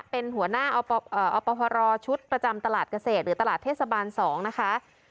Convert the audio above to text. เป็นหัวหน้าอพรชุดประจำตลาดเกษตรหรือตลาดเทศบาล๒นะคะ